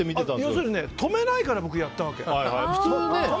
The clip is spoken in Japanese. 要するに、止めないから僕、やったわけ。